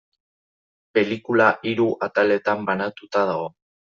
Pelikula hiru ataletan banatuta dago.